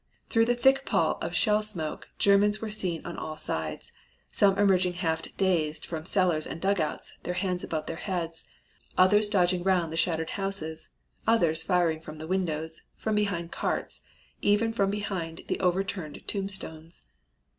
Through the thick pall of shell smoke Germans were seen on all sides, some emerging half dazed from cellars and dugouts, their hands above their heads, others dodging round the shattered houses, others firing from the windows, from behind carts, even from behind the overturned tombstones.